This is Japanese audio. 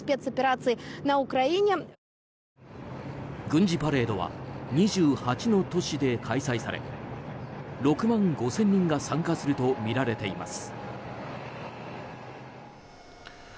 軍事パレードは２８の都市で開催され６万５０００人が参加するとみられています。